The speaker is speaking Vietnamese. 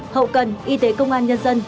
hậu cần y tế công an nhân dân